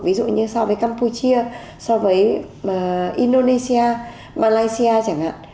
ví dụ như so với campuchia so với indonesia malaysia chẳng hạn